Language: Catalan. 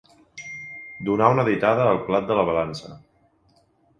Donar una ditada al plat de la balança.